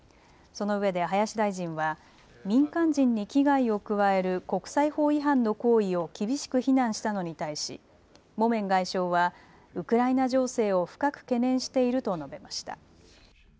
そのうえで林大臣は民間人に危害を加える国際法違反の行為を厳しく非難したのに対しモメン外相はウクライナ情勢を深く懸念していると述べました。